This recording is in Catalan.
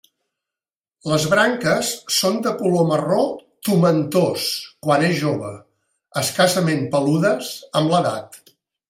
Les branques són de color marró tomentós quan és jove, escassament peludes amb l'edat.